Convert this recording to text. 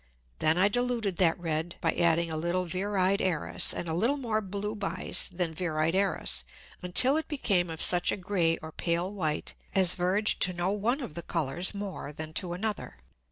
Then I diluted that red by adding a little Viride Æris, and a little more blue Bise than Viride Æris, until it became of such a grey or pale white, as verged to no one of the Colours more than to another.